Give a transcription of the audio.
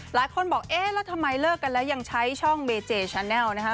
หลายคนบอกเอ๊ะแล้วทำไมเลิกกันแล้วยังใช้ช่องเมเจชาแนลนะฮะ